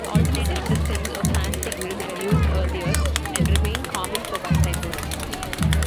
Alternative systems of hand signals were used earlier, and remain common for bicycles.